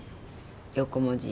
横文字。